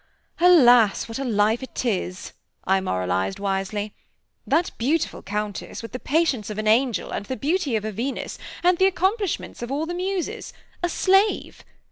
"Alas! what a life it is!" I moralized, wisely. "That beautiful Countess, with the patience of an angel and the beauty of a Venus and the accomplishments of all the Muses, a slave!